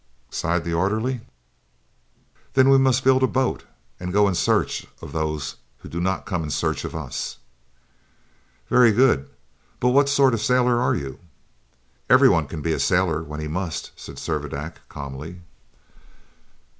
sighed the orderly. "Then we must build a boat, and go in search of those who do not come in search of us." "Very good. But what sort of a sailor are you?" "Everyone can be a sailor when he must," said Servadac calmly.